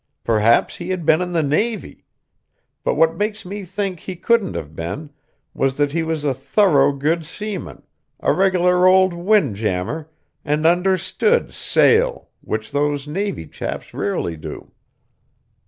Perhaps he had been in the Navy, but what makes me think he couldn't have been, was that he was a thorough good seaman, a regular old wind jammer, and understood sail, which those Navy chaps rarely do.